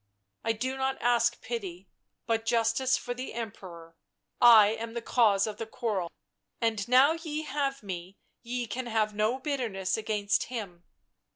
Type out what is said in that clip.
" I do not ask pity, but justice for the Emperor. I am the cause of the quarrel, and now ye have me ye can have no bitterness against him."